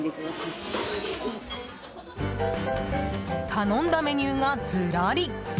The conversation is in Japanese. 頼んだメニューがずらり。